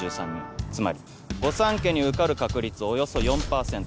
つまり御三家に受かる確率およそ４％。